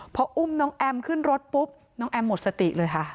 พออุ้มน้องแอมขึ้นรถปุ๊บน้องแอมหมดสติเลยค่ะ